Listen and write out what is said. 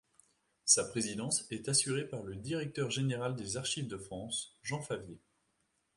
Sa présidence est assurée par le directeur général des Archives de France, Jean Favier.